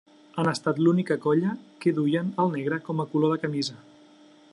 Han estat l'única colla que duien el negre com a color de camisa.